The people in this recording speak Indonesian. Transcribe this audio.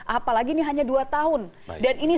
apalagi ini hanya dua tahun dan ini